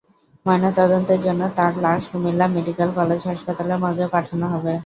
ময়নাতদন্তের জন্য তাঁর লাশ কুমিল্লা মেডিকেল কলেজ হাসপাতালের মর্গে পাঠানো হবে।